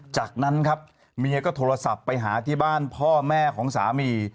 จากนั้นครับเมียก็โทรศัพท์ไปหาที่บ้านพ่อแม่ของสามี